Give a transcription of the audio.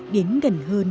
đến gần hơn